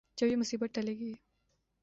جب یہ مصیبت ٹلے گی۔